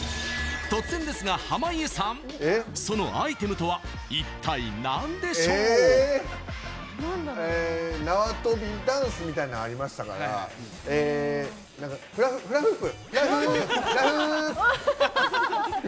突然ですが、濱家さんそのアイテムとは一体、なんでしょう？縄跳びダンスみたいなのありましたからフラフープ！